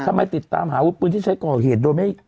ติดตามหาวุธปืนที่ใช้ก่อเหตุโดยไม่